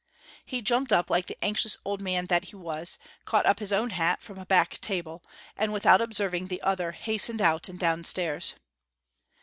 He jumped up like the anxious old man that he was, caught up his own hat from a back table, and without observing the other hastened out and downstairs.